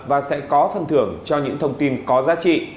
và sẽ có phần thưởng cho những thông tin có giá trị